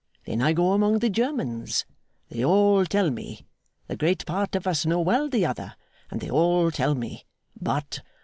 Then I go among the Germans. They all tell me. The great part of us know well the other, and they all tell me. But!